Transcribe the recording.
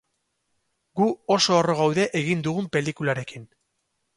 Gu oso harro gaude egin dugun pelikularekin.